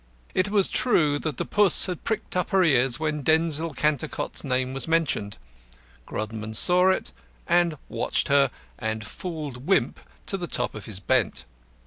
It was true that the puss had pricked up her ears when Denzil Cantercot's name was mentioned. Grodman saw it, and watched her, and fooled Wimp to the top of his bent.